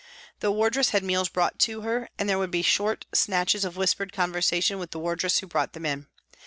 The wardress had meals brought to her, and there would be short snatches of whispered conversation with the wardress who brought them in.